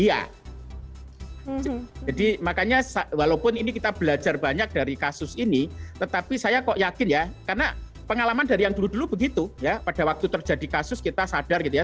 iya jadi makanya walaupun ini kita belajar banyak dari kasus ini tetapi saya kok yakin ya karena pengalaman dari yang dulu dulu begitu ya pada waktu terjadi kasus kita sadar gitu ya